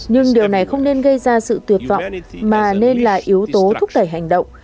nhưng điều này không nên gây ra sự tuyệt vọng mà nên là yếu tố thúc đẩy hành động